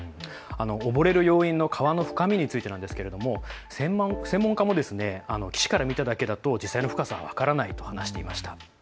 溺れる要因の川の深みについてですが、専門家も岸から見ただけでは実際の深さは分からないと話していました。